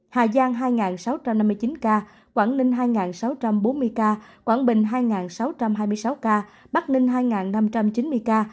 hà giang hai sáu trăm năm mươi chín ca quảng ninh hai sáu trăm bốn mươi ca quảng bình hai sáu trăm hai mươi sáu ca bắc ninh hai năm trăm chín mươi ca